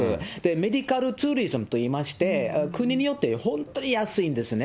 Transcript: メディカルツーリズムといいまして、国によって本当に安いんですね。